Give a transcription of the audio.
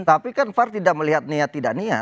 tapi kan far tidak melihat niat tidak niat